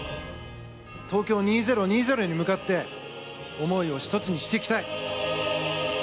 東京２０２０に向かって、思いを一つにしていきたい。